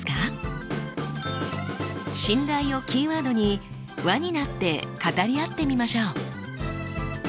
「信頼」をキーワードに輪になって語り合ってみましょう。